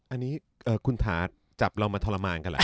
อันนี้คุณถาจับเรามาทรมานกันล่ะ